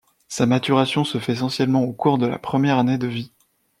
Sa maturation se fait essentiellement au cours de la première année de vie.